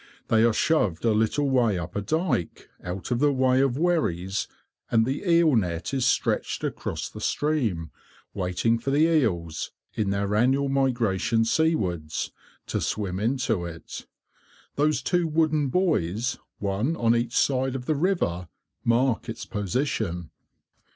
They are shoved a little way up a dyke, out of the way of wherries, and the eel net is stretched across the stream, waiting for the eels, in their annual migrations seawards, to swim into it. Those two wooden buoys, one on each side of the river, mark its position.